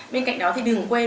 bên cạnh đó thì đừng quên